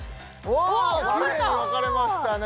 おきれいに分かれましたね